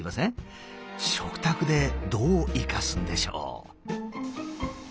食卓でどう生かすんでしょう？